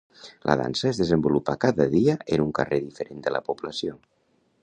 La dansa es desenvolupa cada dia en un carrer diferent de la població.